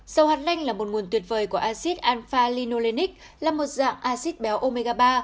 dầu hàn lanh là một nguồn tuyệt vời của acid alpha linolenic là một dạng acid béo omega ba